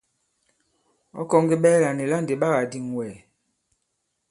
Ɔ̌ kɔ̀ŋge ɓɛɛlà nì la ndì ɓa kà-dìŋ wɛ̀?